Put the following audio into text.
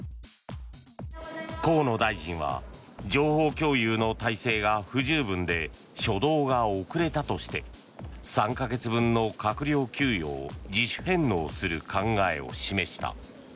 河野大臣は情報共有の体制が不十分で初動が遅れたとして３か月分の閣僚給与を自主返納する考えを示した。